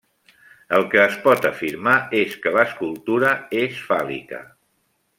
El que es pot afirmar és que escultura és fàl·lica.